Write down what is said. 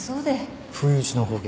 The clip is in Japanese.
不意打ちの方言。